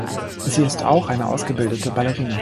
Sie ist auch eine ausgebildete Ballerina.